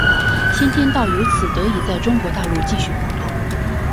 先天道由此得以在中国大陆继续活动。